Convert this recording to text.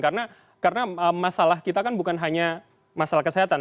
karena masalah kita kan bukan hanya masalah kesehatan